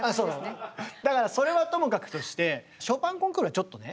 そうなのだからそれはともかくとしてショパン・コンクールはちょっとね。